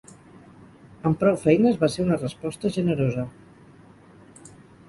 Amb prou feines va ser una resposta generosa.